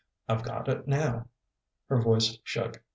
I've got it now." Her voice shook.